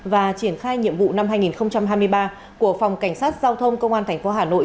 và triển khai nhiệm vụ năm hai nghìn hai mươi ba của phòng cảnh sát giao thông công an tp hà nội